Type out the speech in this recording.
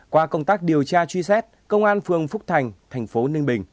qua công tác điều tra truy xét công an phường phúc thành thành phố ninh bình